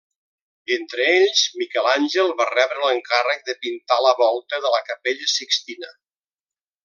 Entre ells, Miquel Àngel va rebre l'encàrrec de pintar la volta de la capella Sixtina.